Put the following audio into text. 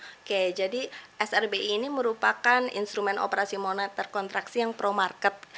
oke jadi srbi ini merupakan instrumen operasi moneter kontraksi yang pro market